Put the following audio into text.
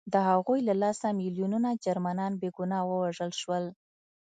د هغوی له لاسه میلیونونه جرمنان بې ګناه ووژل شول